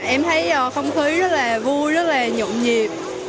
em thấy không khí rất là vui rất là nhộn nhịp